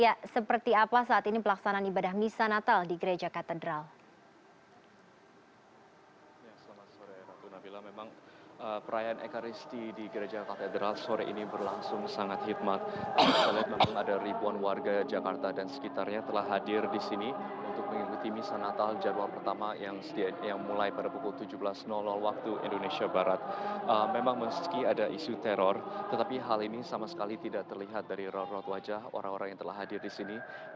ketika itu ledakan bom menewaskan seorang anak dan melukai tiga anak lain